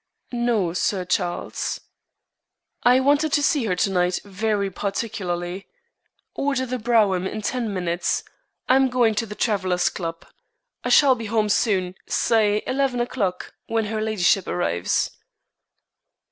"No, Sir Charles." "I wanted to see her to night, very particularly. Order the brougham in ten minutes. I am going to the Travellers' Club. I shall be home soon say eleven o'clock when her ladyship arrives."